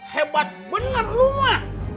hebat bener lu mah